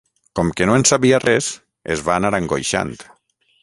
Com que no en sabia res, es va anar angoixant.